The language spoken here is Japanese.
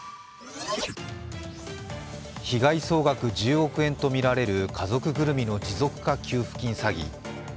被害総額１０億円とみられる家族ぐるみの持続化給付金詐欺。